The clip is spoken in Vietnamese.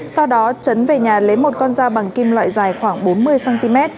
sau đó chấn về nhà lấy một con dao bằng kim loại dài khoảng bốn mươi cm